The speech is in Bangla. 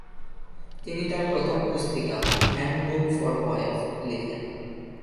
তিনি তার প্রথম পুস্তিকা 'হ্যান্ডবুক ফর বয়েজ' লিখেন।